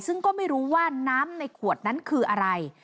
ซึ่งก็ไม่รู้ว่าน้ำในขวดนั้นคืออะไร